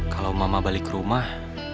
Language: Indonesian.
kalau mama balik rumah